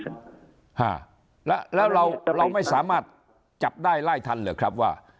อ่าแล้วแล้วเราเราไม่สามารถจับได้ไล่ทันเหรอครับว่า